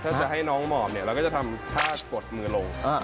ถ้าจะให้น้องหมอบเนี่ยเราก็จะทำท่ากดมือลง